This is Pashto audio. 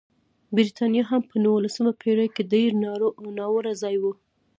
برېټانیا هم په نولسمه پېړۍ کې ډېر ناوړه ځای و.